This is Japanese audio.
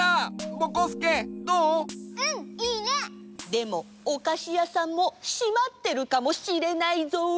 でもおかしやさんもしまってるかもしれないぞ！